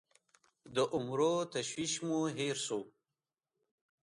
د عمرو تشویش مو هېر سوو